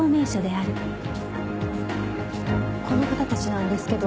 この方達なんですけど。